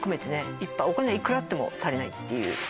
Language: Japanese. いっぱいお金はいくらあっても足りないっていう